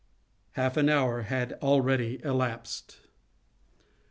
Half an hour had already elapsed.